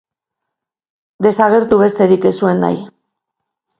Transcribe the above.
Desagertu besterik ez zuen nahi.